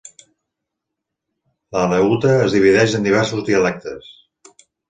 L'aleuta es divideix en diversos dialectes.